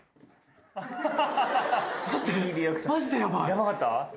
ヤバかった？